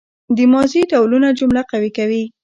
د ماضي ډولونه جمله قوي کوي.